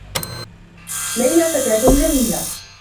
ليلى فتاة جميلة.